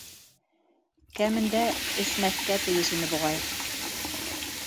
Кәмендә, эсмәҫкә тейеш ине, буғай.